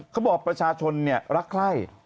เขาบอกประชาชนเนี่ยรักใคร